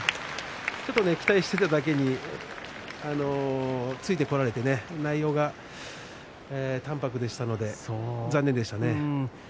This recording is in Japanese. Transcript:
ちょっと期待していただけに突いてこられて内容が淡泊でしたので残念でしたね。